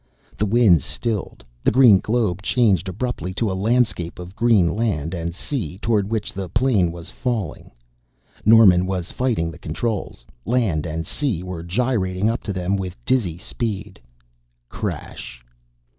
The winds stilled; the green globe changed abruptly to a landscape of green land and sea toward which the plane was falling! Norman was fighting the controls land and sea were gyrating up to them with dizzy speed crash!